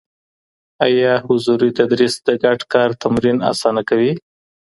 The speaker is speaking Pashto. ايا حضوري تدريس د ګډ کار تمرین اسانه کوي؟